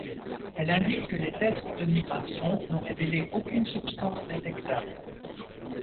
Elle indique que les tests de migration n'ont révélé aucune substance détectable.